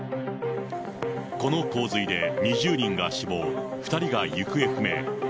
この洪水で２０人が死亡、２人が行方不明。